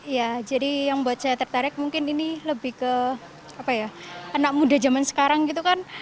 ya jadi yang buat saya tertarik mungkin ini lebih ke apa ya anak muda zaman sekarang gitu kan